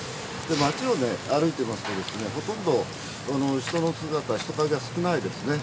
町を歩いていますとね、ほとんど人の姿、人影は少ないですね。